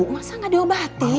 masa gak diobatin